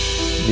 aku tak tahu